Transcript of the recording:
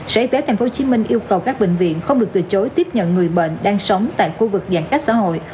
sở y tế tp hcm yêu cầu các bệnh viện không được từ chối tiếp nhận người bệnh đang sống tại khu vực giãn cách xã hội